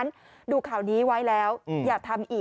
สุดยอดดีแล้วล่ะ